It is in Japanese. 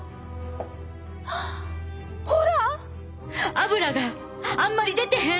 アブラがあんまり出てへん！